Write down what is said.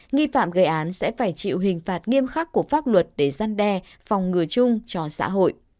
nghi phạm gây án sẽ phải chịu hình phạt nghiêm khắc của pháp luật để gian đe phòng ngừa chung cho xã hội